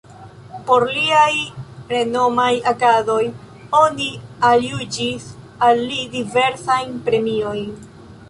Por liaj renomaj agadoj oni aljuĝis al li diversajn premiojn.